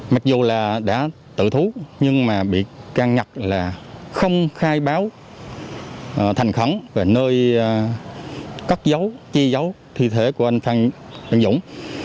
mặc dù đã tự thú nhưng bị can nhật là không khai báo thành khẳng về nơi cắt giấu chi giấu thi thể của anh phan văn dũng